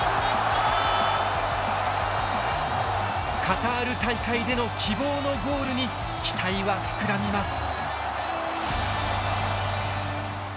カタール大会での希望のゴールに期待は膨らみます。